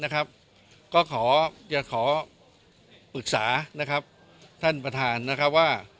ก็อยากขออึกษาท่านประธานว่า